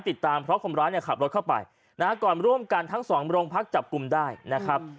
ติดตามเพราะคนร้ายเนี่ยขับรถเข้าไปนะฮะก่อนร่วมกันทั้งสองโรงพักจับกลุ่มได้นะครับ